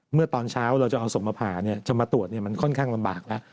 เมื่อตอนเช้าเราจะเอาศพมาผ่าจะมาตรวจมันค่อนข้างลำบากแล้ว